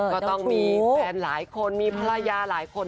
ก็ต้องมีแฟนหลายคนมีภรรยาหลายคน